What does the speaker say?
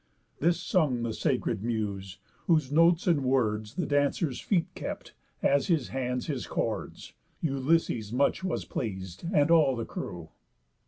This sung the sacred muse, whose notes and words The dancers' feet kept as his hands his chords. Ulysses much was pleas'd, and all the crew.